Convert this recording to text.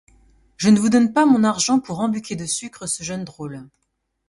Je ne vous donne pas mon argent pour embucquer de sucre ce jeune drôle.